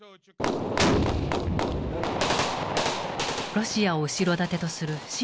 ロシアを後ろ盾とする親ロシア派